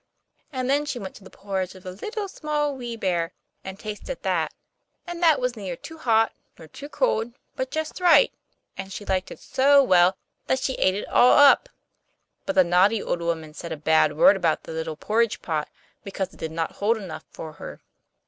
And then she went to the porridge of the Little, Small, Wee Bear, and tasted that; and that was neither too hot nor too cold, but just right; and she liked it so well, that she ate it all up: but the naughty old woman said a bad word about the little porridge pot, because it did not hold enough for her.